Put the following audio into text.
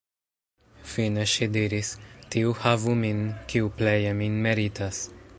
Fine ŝi diris: "Tiu havu min, kiu pleje min meritas".